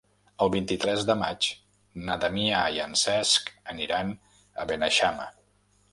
El vint-i-tres de maig na Damià i en Cesc aniran a Beneixama.